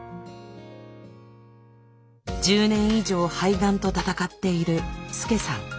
１０年以上肺がんと闘っているスケサン。